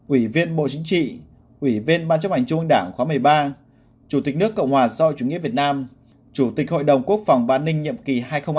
ủy viên bộ chính trị ủy viên ban chấp hành trung ơn đảng khóa một mươi ba chủ tịch nước cộng hòa do chủ nghĩa việt nam chủ tịch hội đồng quốc phòng ban ninh nhiệm kỳ hai nghìn hai mươi một hai nghìn hai mươi sáu